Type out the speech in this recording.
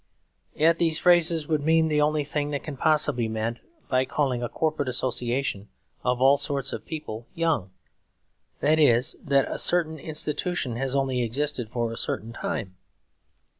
Yet these phrases would mean the only thing that can possibly be meant by calling a corporate association of all sorts of people 'young'; that is, that a certain institution has only existed for a certain time.